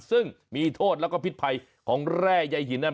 ซึ่งมีโทษแล้วก็พิษภัยของแร่ใยหินนั้น